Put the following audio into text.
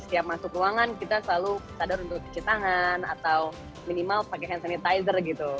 setiap masuk ruangan kita selalu sadar untuk cuci tangan atau minimal pakai hand sanitizer gitu